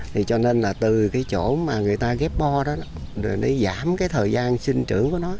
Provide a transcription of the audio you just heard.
thì cho nên là từ cái chỗ mà người ta ghép bo đó để giảm cái thời gian sinh trưởng của nó